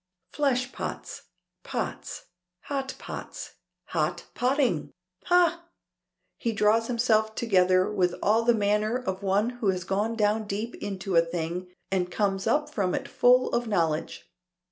"Fleshpots pots hot pots; hot potting! Hah!" He draws himself together with all the manner of one who has gone down deep into a thing, and comes up from it full of knowledge.